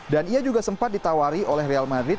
dan ia juga sempat ditawari oleh real madrid